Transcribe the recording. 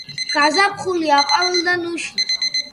გაზაფხულდა აყვავილდა ნუში